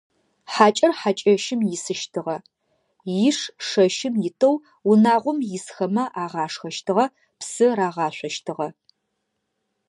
Хьакӏэр хьакӏэщым исыщтыгъэ, иш шэщым итэу унагъом исхэмэ агъашхэщтыгъэ, псы рагъашъощтыгъэ.